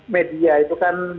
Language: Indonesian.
media itu kan